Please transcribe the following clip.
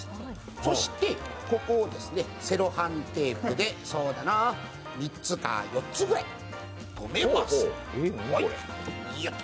そして、ここをセロハンテープで３つか４つくらい止めます。